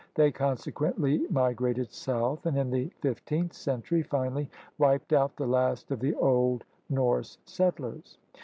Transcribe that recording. They consequently mi grated south and, in the fifteenth century, finally wiped out the last of the old Norse settlers.